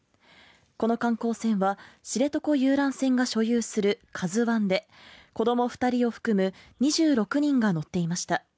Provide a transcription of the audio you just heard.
この観光船は知床遊覧船が所有する「ＫＡＺＵⅠ」で子供２人を含む２６人が乗っていました。